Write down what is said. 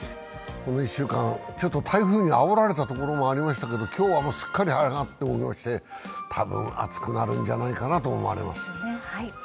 この１週間、ちょっと台風にあおられたところもありましたけれども、今日はもうすっかり晴れ上がっておりまして、たぶん暑くなるんじゃないかなと思われます。